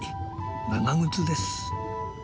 長靴です。